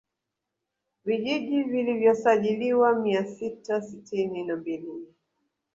Vijiji vilivyosajiliwa mia sita sitini na mbili